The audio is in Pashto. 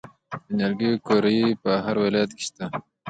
د نیالګیو قوریې په هر ولایت کې شته.